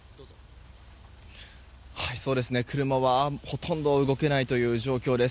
車は、ほとんど動けないという状況です。